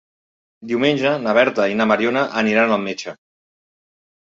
Diumenge na Berta i na Mariona aniran al metge.